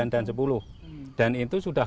dan sepuluh dan itu sudah